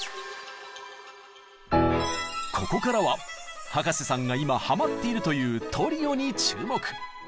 ここからは葉加瀬さんが今ハマっているというトリオに注目。